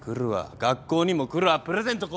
学校にも来るわプレゼント